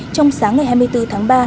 trong sáng ngày hai mươi bốn tháng ba